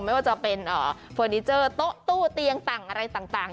ไม่ว่าจะเป็นเฟอร์นิเจอร์โต๊ะตู้เตียงต่างอะไรต่าง